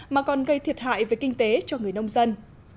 mà còn gây thiệt hại về kinh tế cho người nông dân